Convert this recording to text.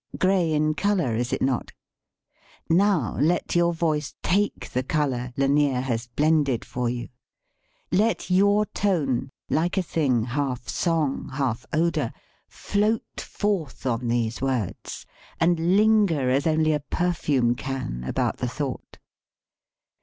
Gray in color, is it not ? Now let your voice take the color Lanier has blended for you Let your tone, like a thing "half song, halt odor," float forth on these words and linger as only a perfume can about the thought.